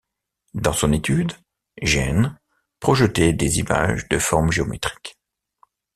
Dans son étude, Jaynes projetait des images de formes géométriques.